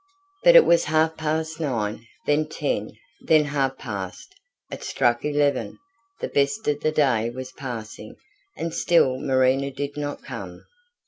But it was half past nine, then ten, then half past; it struck eleven, the best of the day was passing, and still Marina did not come.